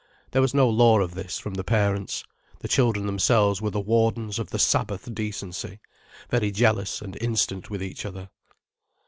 There was no law of this, from the parents. The children themselves were the wardens of the Sabbath decency, very jealous and instant with each other.